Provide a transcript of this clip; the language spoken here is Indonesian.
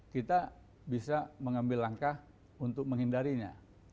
kita bisa mengambil langkah untuk menghindarinya